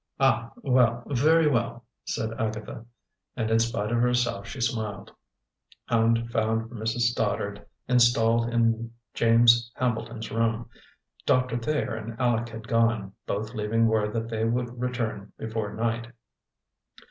"Ah, well, very well!" said Agatha. And in spite of herself she smiled. Hand found Mrs. Stoddard installed in James Hambleton's room. Doctor Thayer and Aleck had gone, both leaving word that they would return before night.